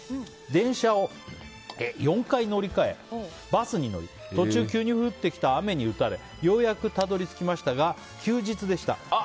電車を４回乗り換えバスに乗り途中、急に降ってきた雨に打たれようやくたどり着きましたが休日でした。